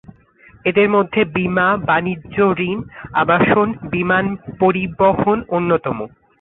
এদের মধ্যে বীমা, বাণিজ্য ঋণ, আবাসন, বিমান পরিবহন অন্যতম।